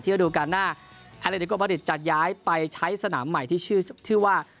ที่จะดูกันหน้าแอลเลนส์นิกโอปาริสจัดย้ายไปใช้สนามใหม่ที่ชื่อว่า